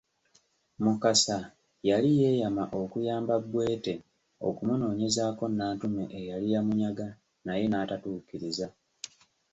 Mukasa yali yeeyama okuyamba Bwete okumunoonyezaako Nantume eyali yamunyaga naye n’atatuukiriza.